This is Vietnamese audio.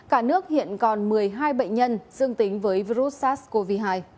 cả nước hiện còn một mươi hai bệnh nhân dương tính với virus sars cov hai